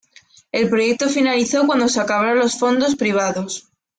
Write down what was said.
El proyecto finalizó cuando se acabaron los fondos privados.